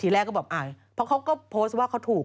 แรกก็แบบอายเพราะเขาก็โพสต์ว่าเขาถูก